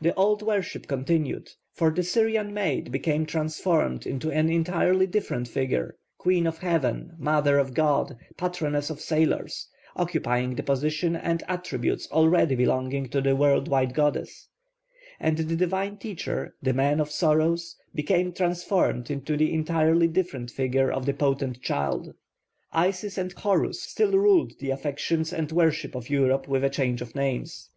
The old worship continued; for the Syrian maid became transformed into an entirely different figure, Queen of Heaven, Mother of God, patroness of sailors, occupying the position and attributes already belonging to the world wide goddess; and the Divine Teacher, the Man of Sorrows, became transformed into the entirely different figure of the Potent Child. Isis and Horus still ruled the affections and worship of Europe with a change of names.